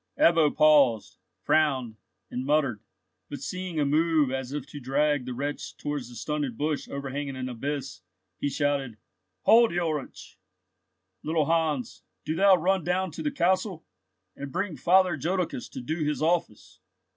Ebbo paused, frowned, and muttered, but seeing a move as if to drag the wretch towards the stunted bush overhanging an abyss, he shouted, "Hold, Ulrich! Little Hans, do thou run down to the castle, and bring Father Jodocus to do his office!"